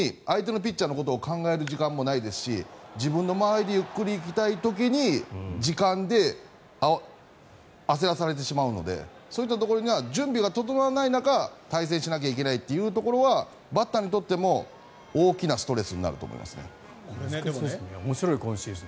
大谷選手が言われたように相手のピッチャーのことを考える時間もないですし自分の間合いでゆっくり行きたい時に時間で焦らされてしまうので準備が整わない中で対戦しなきゃいけないのはバッターにとっても大きなストレスになると面白い、今シーズン。